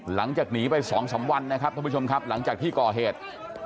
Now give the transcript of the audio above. หลังจากหนีไป๒๓วันนะครับท่านผู้ชมครับหลังจากที่ก่อเหตุ